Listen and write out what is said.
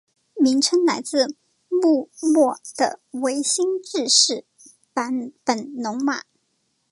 名称来自幕末的维新志士坂本龙马。